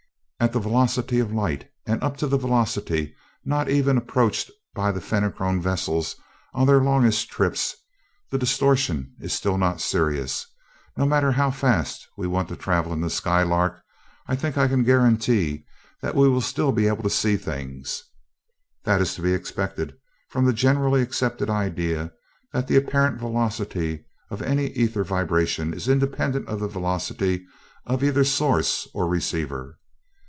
At the velocity of light, and up to a velocity not even approached by the Fenachrone vessels on their longest trips, the distortion is still not serious no matter how fast we want to travel in the Skylark, I think I can guarantee that we will still be able to see things. That is to be expected from the generally accepted idea that the apparent velocity of any ether vibration is independent of the velocity of either source or receiver.